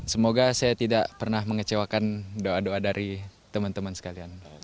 semoga saya tidak pernah mengecewakan doa doa dari teman teman sekalian